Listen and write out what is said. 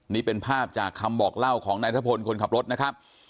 นี่เป็นภาพจากคำบอกเล่าของนายทะพลคนขับรถนะครับ